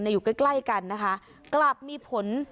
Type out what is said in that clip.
ในอยู่ใกล้กันนะคะกลับมีผล